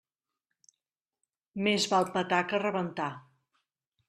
Més val petar que rebentar.